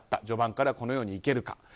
序盤からこのように行けるか。